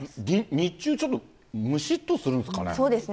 日中、ちょっとむしっとするんですかね。